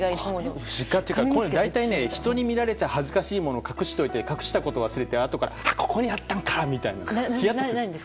大体、人に見られたら恥ずかしいものを隠しておいて隠したことを忘れてあとからここにあったんか！とヒヤッとします。